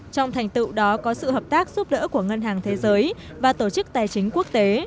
trong thành tựu đó có sự hợp tác giúp đỡ của ngân hàng thế giới và tổ chức tài chính quốc tế